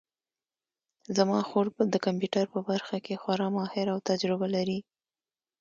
زما خور د کمپیوټر په برخه کې خورا ماهره او تجربه لري